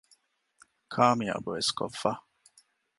ކާމިޔާބުވެސް ކޮށްފަ